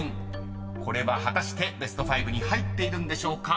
［これは果たしてベスト５に入っているんでしょうか］